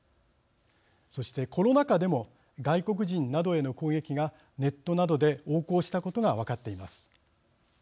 そして、コロナ禍でも外国人などへの攻撃がネットなどで横行したことが分かっています。